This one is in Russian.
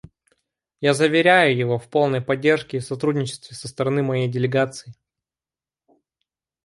Я заверяю его в полной поддержке и сотрудничестве со стороны моей делегации.